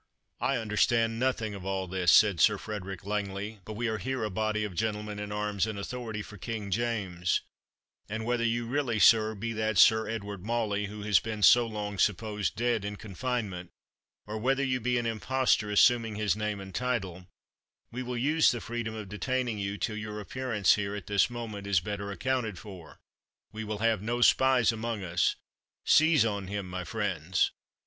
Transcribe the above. "I understand nothing of all this," said Sir Frederick Langley; "but we are here a body of gentlemen in arms and authority for King James; and whether you really, sir, be that Sir Edward Mauley, who has been so long supposed dead in confinement, or whether you be an impostor assuming his name and title, we will use the freedom of detaining you, till your appearance here, at this moment, is better accounted for; we will have no spies among us Seize on him, my friends."